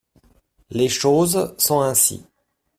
les choses sont ainsi.